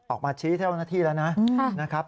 ออกมาชี้เท่าหน้าที่แล้วนะครับ